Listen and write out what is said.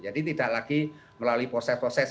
tidak lagi melalui proses proses